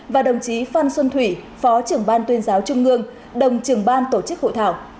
và đồng chí phan xuân thủy phó trưởng ban tuyên giáo trung ương đồng trưởng ban tổ chức hội thảo